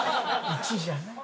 １じゃない。